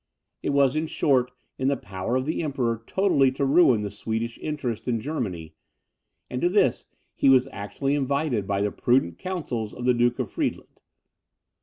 It was, in short, in the power of the Emperor totally to ruin the Swedish interest in Germany, and to this he was actually invited by the prudent councils of the Duke of Friedland.